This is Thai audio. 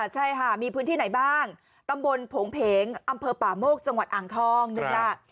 ใช่ค่ะมีพื้นที่ไหนบ้างตำบลโผงเพงอำเภอป่าโมกจังหวัดอ่างทองหนึ่งล่ะ